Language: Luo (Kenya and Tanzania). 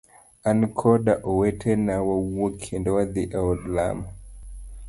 An koda owetena wawuok kendo wadhi e od lamo.